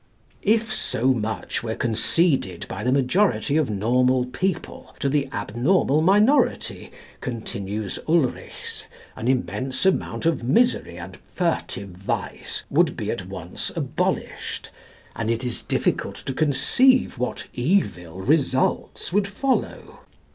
If so much were conceded by the majority of normal people to the abnormal minority, continues Ulrichs, an immense amount of misery and furtive vice would be at once abolished. And it is difficult to conceive what evil results would follow.